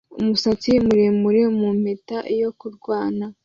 umusatsi muremure mu mpeta yo kurwana